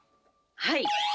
はい。